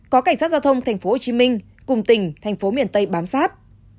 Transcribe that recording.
có cảnh sát giao thông tp hcm cùng tỉnh tp mt bám sát